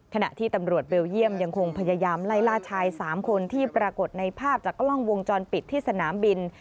ขณะที่ตำรวจเบลเยี่ยมยังคงพยายามไล่ล่าชาย๓คนที่ปรากฏในภาพจากกล้องวงจรปิดที่สนามบิน